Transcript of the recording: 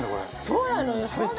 そうなのよ！